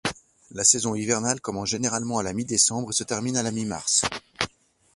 La saison hivernale commence généralement à la mi-décembre et se termine à la mi-mars.